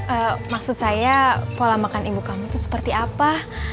eh maksud saya pola makan ibu kamu itu seperti apa